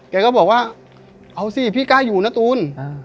แกก็บอกว่าเอาสิพี่กล้าอยู่นะตูน